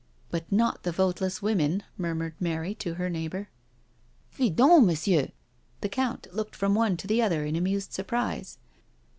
"But not the voteless women I" murmured Mary to her neighbour. " FidonCf "Messieurs I " The Count looked from one to the other in amused surprise.